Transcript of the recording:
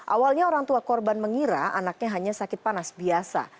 awalnya orang tua korban mengira anaknya hanya sakit panas biasa